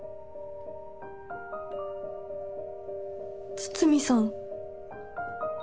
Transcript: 筒見さん？